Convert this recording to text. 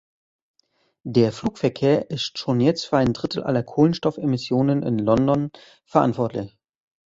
Der Flugverkehr ist schon jetzt für ein Drittel aller Kohlenstoffemissionen in London verantwortlich.